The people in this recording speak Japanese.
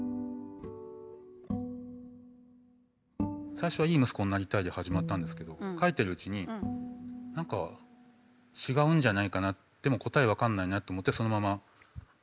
最初は「いい息子になりたい」で始まったんですけど書いてるうちに何か違うんじゃないかなでも答え分かんないなと思ってそのまま答えないまま終わってしまった。